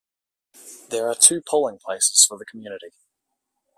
There are two polling places for the community.